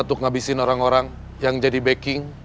untuk ngabisin orang orang yang jadi backing